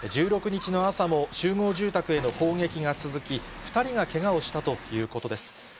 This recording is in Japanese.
１６日の朝も集合住宅への砲撃が続き、２人がけがをしたということです。